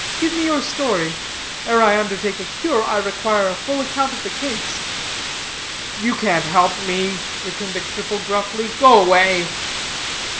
Give me your story. Ere I undertake a cure, I require a full account of the case." "You can't help me," returned the cripple gruffly. "Go away."